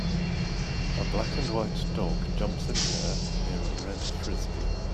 A black and white dog jumps in the air near a red Frisbee.